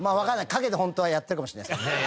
陰でホントはやってるかもしれないですけどね。